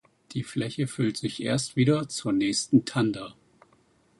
Die Fläche füllt sich erst wieder zur nächsten Tanda.